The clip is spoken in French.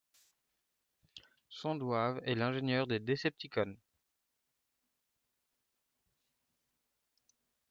Soundwave est l'ingénieur des Decepticons.